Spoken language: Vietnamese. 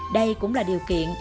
đây cũng là điều kiện